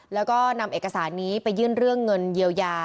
แล้วก็นำเอกสารนี้ไปยื่นเรื่องเงินเยียวยา